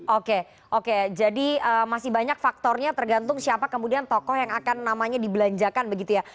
oke oke jadi masih banyak faktornya tergantung siapa kemudian tokoh yang akan namanya dibelanjakan begitu ya